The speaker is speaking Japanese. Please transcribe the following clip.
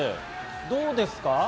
どうですか？